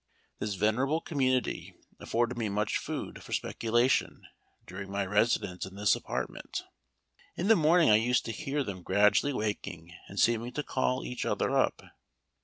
This venerable community afforded me much food for speculation during my residence in this apartment. In the morning I used to hear them gradually waking and seeming to call each other up.